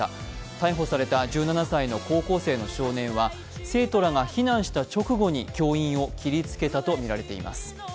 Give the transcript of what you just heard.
逮捕された１７歳の高校生の少年は、生徒らが避難した直後に教員を切りつけたとみられています。